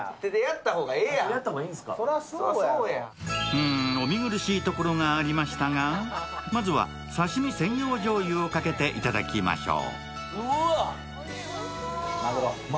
うーん、お見苦しいところがありましたが、まずはさしみ専用しょうゆをかけていただきましょう。